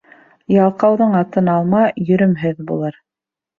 Ялҡауҙың атын алма, йөрөмһөҙ булыр.